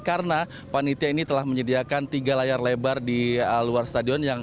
karena panitia ini telah menyediakan tiga layar lebar di luar stadion